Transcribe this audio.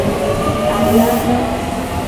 Ayaga.